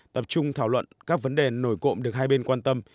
tập trung thảo luận các vấn đề nổi cộng được hai bên quan tâm